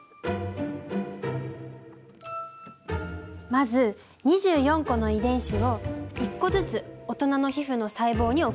まず２４個の遺伝子を１個ずつ大人の皮膚の細胞に送り込んでみた。